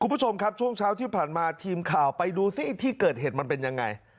คุณผู้ชมครับช่วงเช้าที่ผ่านมาทีมข่าวไปดูซิที่เกิดเหตุมันเป็นยังไง